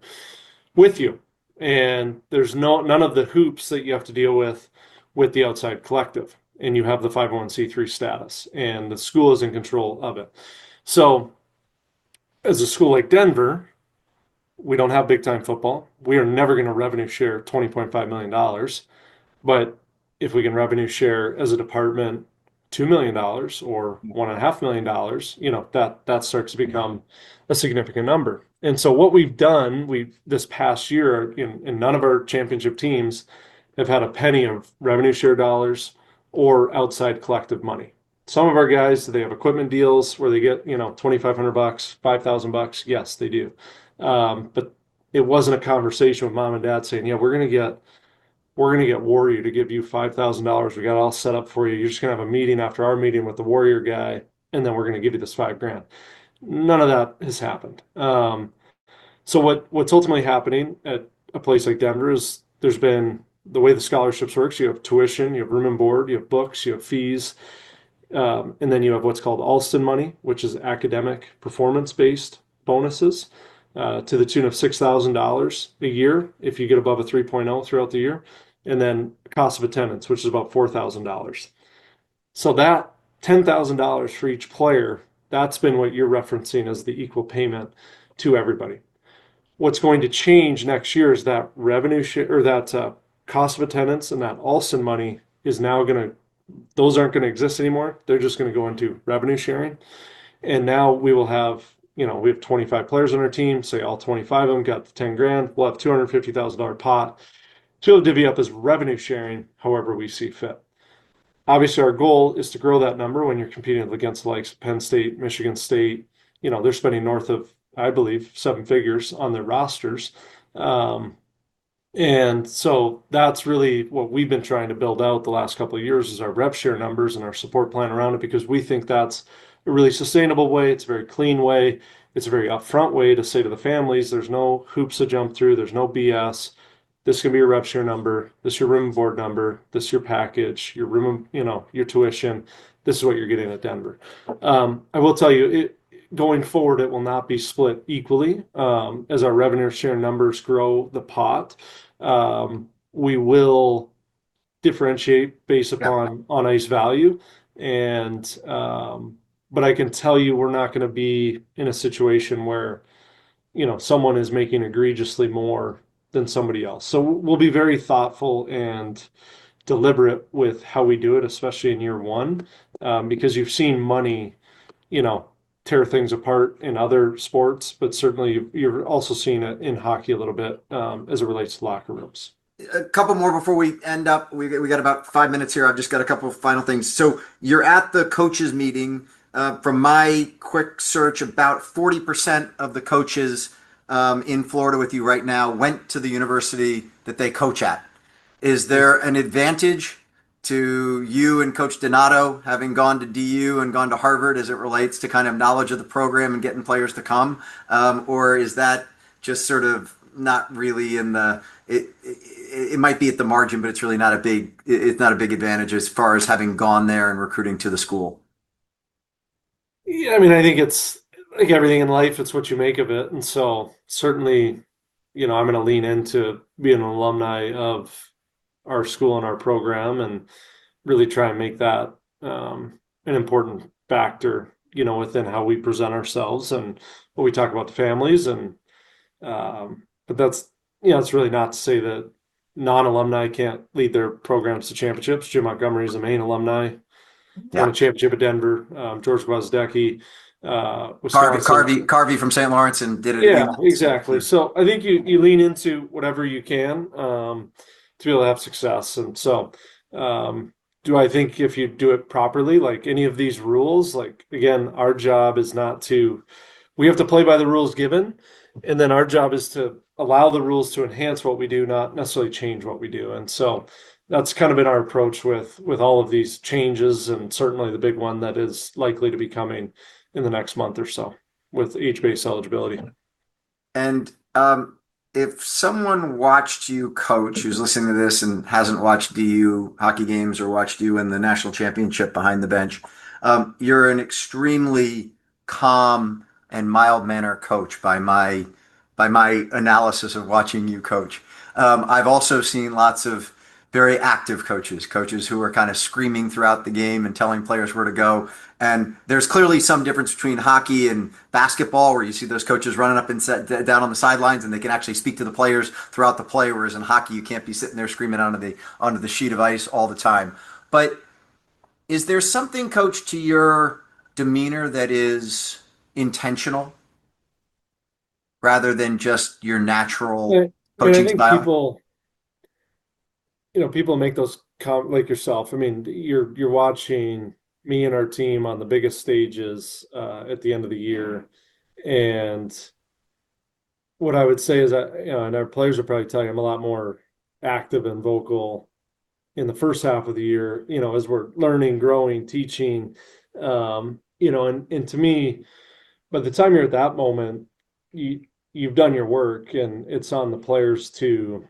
with you, and there's no, none of the hoops that you have to deal with with the outside collective, and you have the 501 status, and the school is in control of it. As a school like Denver, we don't have big time football. We are never gonna revenue share $20.5 million. If we can revenue share as a department $2 million or one and a half million dollars, you know, that starts to become a significant number. What we've done, we've, this past year, and none of our championship teams have had a penny of revenue share dollars or outside collective money. Some of our guys, they have equipment deals where they get, you know, $2,500, $5,000. Yes, they do. It wasn't a conversation with mom and dad saying, "You know, we're gonna get Warrior to give you $5,000. We got it all set up for you. You're just gonna have a meeting after our meeting with the Warrior guy, and then we're gonna give you this $5,000." None of that has happened. So what's ultimately happening at a place like Denver is there's been, the way the scholarships works, you have tuition, you have room and board, you have books, you have fees, and then you have what's called Alston money, which is academic performance-based bonuses, to the tune of $6,000 a year if you get above a 3.0 throughout the year, and then cost of attendance, which is about $4,000. That $10,000 for each player, that's been what you're referencing as the equal payment to everybody. What's going to change next year is that revenue or that cost of attendance and that Alston money. Those aren't gonna exist anymore. They're just gonna go into revenue sharing. Now we will have, you know, we have 25 players on our team, say all 25 of them got the $10,000. We'll have $250,000 pot to divvy up as revenue sharing however we see fit. Obviously, our goal is to grow that number when you're competing against the likes of Penn State, Michigan State. You know, they're spending north of, I believe, $7 figures on their rosters. That's really what we've been trying to build out the last couple of years is our rev share numbers and our support plan around it because we think that's a really sustainable way. It's a very clean way. It's a very upfront way to say to the families, "There's no hoops to jump through. There's no BS. This is gonna be your rev share number. This is your room and board number. This is your package, your room and, you know, your tuition. This is what you're getting at Denver. I will tell you, going forward, it will not be split equally. As our revenue share numbers grow the pot, we will differentiate based on ice value. I can tell you we're not gonna be in a situation where, you know, someone is making egregiously more than somebody else. We'll be very thoughtful and deliberate with how we do it, especially in year one, because you've seen money, you know, tear things apart in other sports, but certainly you've, you're also seeing it in hockey a little bit, as it relates to locker rooms. A couple more before we end up. We got about five minutes here. I've just got a couple of final things. You're at the coaches meeting. From my quick search, about 40% of the coaches in Florida with you right now went to the university that they coach at. Is there an advantage to you and Coach Donato having gone to DU and gone to Harvard as it relates to kind of knowledge of the program and getting players to come, or is that just sort of not really it might be at the margin, but it's really not a big, it's not a big advantage as far as having gone there and recruiting to the school? Yeah, I mean, I think it's, like everything in life, it's what you make of it. Certainly, you know, I'm gonna lean in to being an alumni of our school and our program and really try and make that an important factor, you know, within how we present ourselves and what we talk about to families. That's, you know, that's really not to say that non-alumni can't lead their programs to championships. Jim Montgomery's a Maine alumni. Yeah. Won a championship at Denver. George Gwozdecky. Carvey from St. Lawrence and did it at UMass. Yeah, exactly. I think you lean into whatever you can to be able to have success. Do I think if you do it properly, like any of these rules, like again, we have to play by the rules given, and then our job is to allow the rules to enhance what we do, not necessarily change what we do. That's kind of been our approach with all of these changes and certainly the big one that is likely to be coming in the next month or so with age-based eligibility. If someone watched you coach, who's listening to this and hasn't watched DU hockey games or watched you in the national championship behind the bench, you're an extremely calm and mild-mannered Coach by my analysis of watching you coach. I've also seen lots of very active coaches who are kind of screaming throughout the game and telling players where to go, and there's clearly some difference between hockey and basketball, where you see those coaches running up and down on the sidelines and they can actually speak to the players throughout the play. Whereas in hockey, you can't be sitting there screaming onto the sheet of ice all the time. Is there something, Coach, to your demeanor that is intentional rather than just your natural coaching style? I think people, you know, people make those like yourself, I mean, you're watching me and our team on the biggest stages at the end of the year. What I would say is I, you know, and our players will probably tell you I'm a lot more active and vocal in the first half of the year, you know, as we're learning, growing, teaching. You know, and to me, by the time you're at that moment, you've done your work, and it's on the players to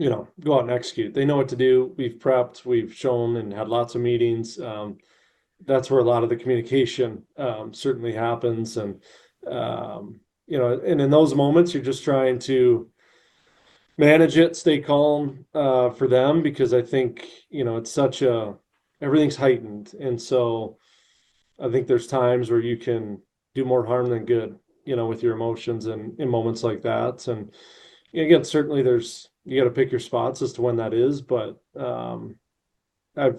go out and execute. They know what to do. We've prepped, we've shown and had lots of meetings. That's where a lot of the communication certainly happens, you know, and in those moments you're just trying to manage it, stay calm for them because I think, you know, everything's heightened. I think there's times where you can do more harm than good, you know, with your emotions in moments like that. Again, certainly there's you gotta pick your spots as to when that is, but I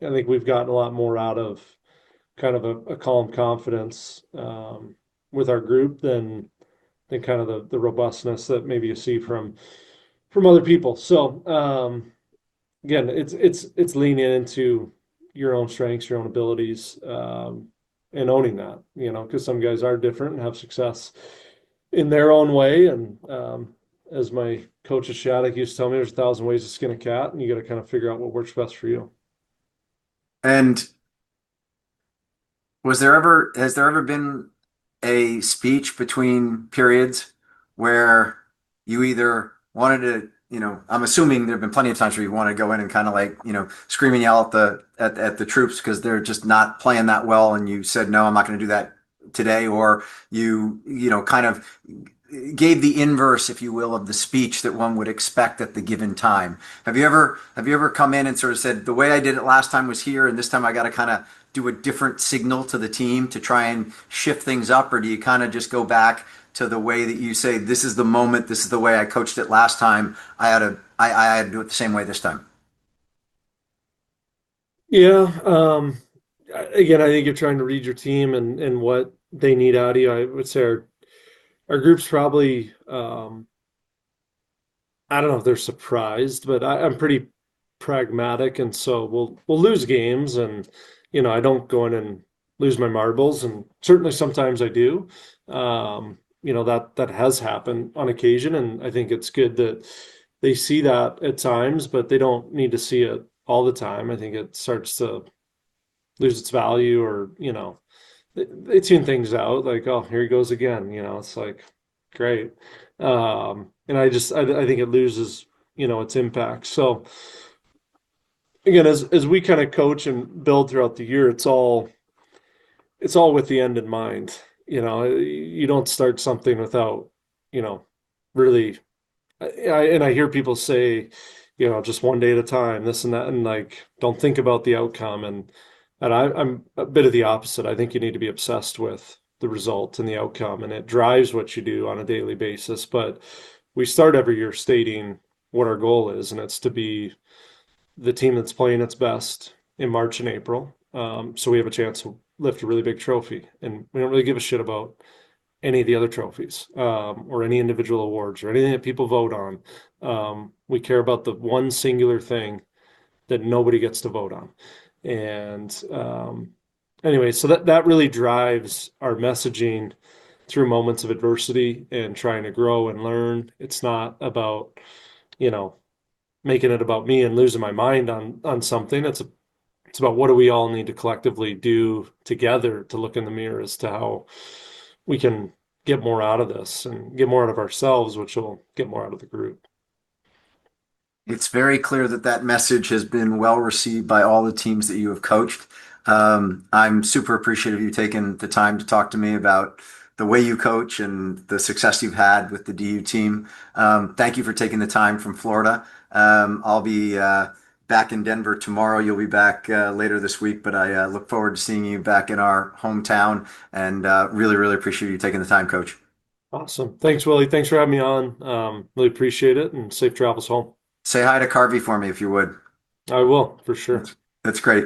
think we've gotten a lot more out of kind of a calm confidence with our group than kind of the robustness that maybe you see from other people. Again, it's, it's leaning into your own strengths, your own abilities, and owning that, you know? Because some guys are different and have success in their own way. As my coach at Shattuck used to tell me, "There's 1,000 ways to skin a cat", and you gotta kinda figure out what works best for you. Was there ever, has there ever been a speech between periods where you either wanted to, you know I'm assuming there have been plenty of times where you've wanted to go in and kinda like, you know, screaming out at the troops 'cause they're just not playing that well, and you said, "No, I'm not gonna do that today." You, you know, kind of gave the inverse, if you will, of the speech that one would expect at the given time. Have you ever, have you ever come in and sorta said, "The way I did it last time was here, and this time I gotta kinda do a different signal to the team to try and shift things up," or do you kinda just go back to the way that you say, "This is the moment. This is the way I coached it last time. I gotta do it the same way this time? Yeah. again, I think you're trying to read your team and what they need out of you. I would say our group's probably, I don't know if they're surprised, but I'm pretty pragmatic. We'll, we'll lose games and, you know, I don't go in and lose my marbles. Certainly sometimes I do. you know, that has happened on occasion, and I think it's good that they see that at times, but they don't need to see it all the time. I think it starts to lose its value or, you know, it's tuning things out. Like, "Oh, here he goes again," you know? It's like, great. I just, I think it loses, you know, its impact. Again, as we kinda coach and build throughout the year, it's all with the end in mind, you know? You don't start something without, you know, really I, and I hear people say, you know, "Just one day at a time," this and that, and like, "Don't think about the outcome." I'm a bit of the opposite. I think you need to be obsessed with the result and the outcome, and it drives what you do on a daily basis. We start every year stating what our goal is, and it's to be the team that's playing its best in March and April, so we have a chance to lift a really big trophy. We don't really give a shit about any of the other trophies, or any individual awards, or anything that people vote on. We care about the one singular thing that nobody gets to vote on. That really drives our messaging through moments of adversity and trying to grow and learn. It's not about, you know, making it about me and losing my mind on something. It's about what do we all need to collectively do together to look in the mirror as to how we can get more out of this, and get more out of ourselves, which will get more out of the group. It's very clear that that message has been well-received by all the teams that you have coached. I'm super appreciative of you taking the time to talk to me about the way you coach and the success you've had with the DU team. Thank you for taking the time from Florida. I'll be back in Denver tomorrow. You'll be back later this week. I look forward to seeing you back in our hometown, really appreciate you taking the time, coach. Awesome. Thanks, Willy. Thanks for having me on. Really appreciate it, and safe travels home. Say hi to Carvey for me if you would. I will, for sure. That's great.